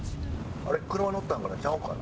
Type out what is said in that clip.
あれ、車乗ったんかな、ちゃうかな？